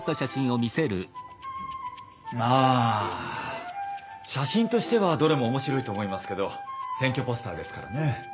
ああ写真としてはどれも面白いと思いますけど選挙ポスターですからね。